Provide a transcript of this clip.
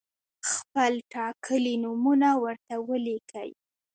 خپل ټاکلي نومونه ورته ولیکئ.